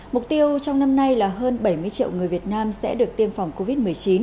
mục tiêu trong năm nay là hơn bảy mươi triệu người việt nam sẽ được tiêm phòng covid một mươi chín